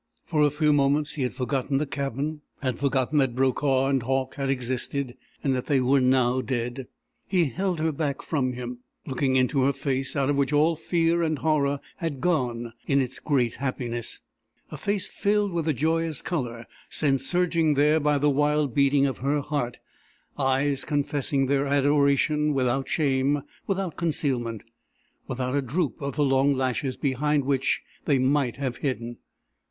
For a few moments he had forgotten the cabin, had forgotten that Brokaw and Hauck had existed, and that they were now dead. He held her back from him, looking into her face out of which all fear and horror had gone in its great happiness; a face filled with the joyous colour sent surging there by the wild beating of her heart, eyes confessing their adoration without shame, without concealment, without a droop of the long lashes behind which they might have hidden.